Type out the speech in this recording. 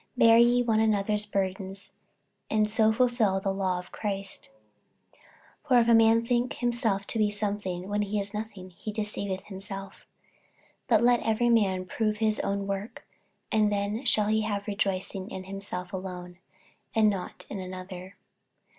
48:006:002 Bear ye one another's burdens, and so fulfil the law of Christ. 48:006:003 For if a man think himself to be something, when he is nothing, he deceiveth himself. 48:006:004 But let every man prove his own work, and then shall he have rejoicing in himself alone, and not in another.